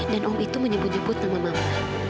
dan umum itu menyebut nyebut sama mama